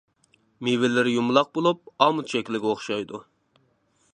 مېۋىلىرى يۇمىلاق بولۇپ، ئامۇت شەكلىگە ئوخشايدۇ.